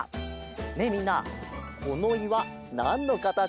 ねえみんなこのいわなんのかたちにみえる？